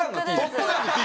『トップガン』のＴ。